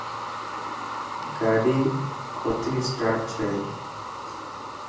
گاڏي ڪوتي اسٽاٽ ڇئي